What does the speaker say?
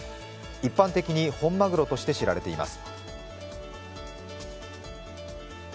一般的に本マグロとして知られています。